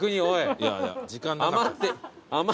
いやいや時間なかった。